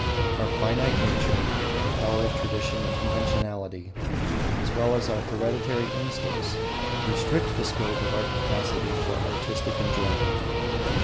Our finite nature, the power of tradition and conventionality, as well as our hereditary instincts, restrict the scope of our capacity for artistic enjoyment.